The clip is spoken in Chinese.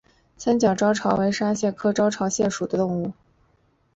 三角招潮为沙蟹科招潮蟹属的动物。